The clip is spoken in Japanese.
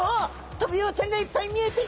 トビウオちゃんがいっぱい見えてきた！